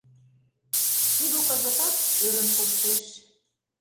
Тудо кызытат ӧрын коштеш: